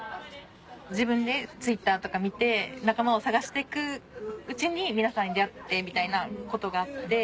自分でＴｗｉｔｔｅｒとか見て仲間を探して行くうちに皆さんに出会ってみたいなことがあって。